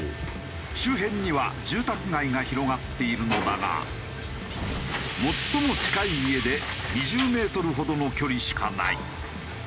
周辺には住宅街が広がっているのだが最も近い家で２０メートルほどの距離しかない。